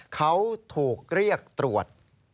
เขาถูกเรียกตรวจ